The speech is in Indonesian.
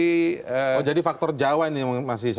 oh jadi faktor jawa ini masih sangat